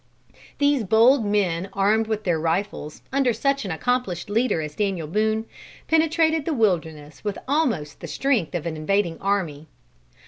These bold men armed with their rifles, under such an accomplished leader as Daniel Boone, penetrated the wilderness with almost the strength of an invading army.